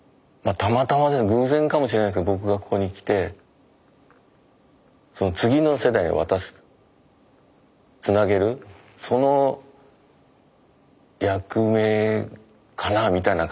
たまたまで偶然かもしれないですけど僕がここに来てその次の世代へ渡すつなげるその役目かなみたいな感じはあるんですけどね。